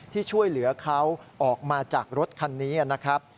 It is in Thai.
ที่ช่วยเหลือเขาออกมาจากรถคันนี้นะครับ